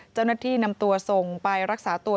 เจ้าหน้าที่นำตัวส่งไปรักษาตัว